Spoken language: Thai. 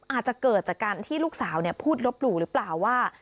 อาจจะเกิดจากการที่ลูกสาวพูดลบหลู่หรือเปล่าว่า